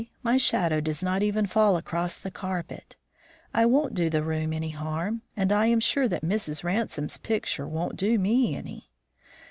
my shadow does not even fall across the carpet. I won't do the room any harm, and I am sure that Mrs. Ransome's picture won't do me any."